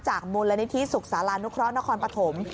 จากมลนิธิศุกษาลานุครอศนครปฐม